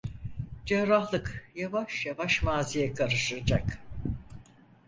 Cerrahlık yavaş yavaş maziye karışacak.